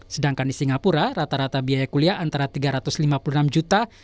sedangkan di singapura rata rata biaya kuliah antara tiga ratus lima puluh enam juta